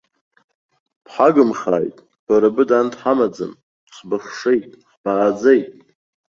Бҳагымхааит, бара быда ан дҳамаӡам, ҳбыхшеит, ҳбааӡеит!